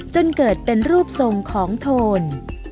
จนเกิดเป็นรูปทรงของโทน